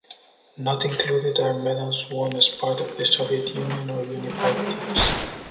Not included are medals won as part of the Soviet Union or Unified Teams.